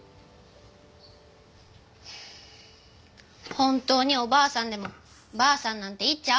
本当におばあさんでもばあさんなんて言っちゃアカンの。